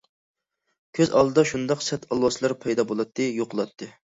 كۆز ئالدىدا شۇنداق سەت ئالۋاستىلار پەيدا بۇلاتتى، يوقىلاتتى.